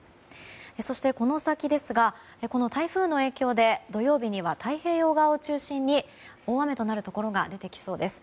そして、この先ですが台風の影響で土曜日には、太平洋側を中心に大雨となるところが出てきそうです。